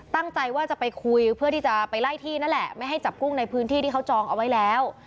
ตั้งใจว่าจะไปคุยเพื่อที่จะไปไล่ที่นั่นแหละไม่ให้จับกุ้งในพื้นที่ที่เขาจองเอาไว้แล้ว